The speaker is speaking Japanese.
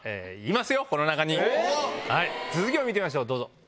続きを見てみましょうどうぞ。